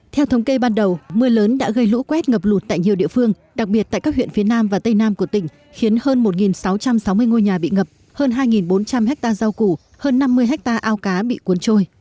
theo thống kê ban đầu mưa lớn đã gây lũ quét ngập lụt tại nhiều địa phương đặc biệt tại các huyện phía nam và tây nam của tỉnh khiến hơn một sáu trăm sáu mươi ngôi nhà bị ngập hơn hai bốn trăm linh hectare rau củ hơn năm mươi ha ao cá bị cuốn trôi